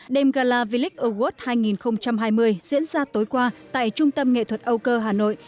đêm gala village award hai nghìn hai mươi diễn ra tối qua tại trung tâm nghệ thuật âu cơ hà nội